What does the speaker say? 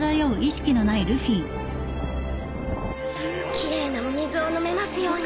・奇麗なお水を飲めますように。